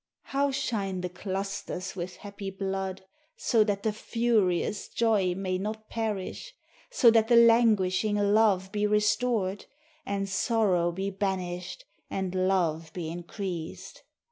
How shine the clusters With happy blood, So that the furious Joy may not perish, So that the languishing Love be restored, And sorrow be banished And love be increased.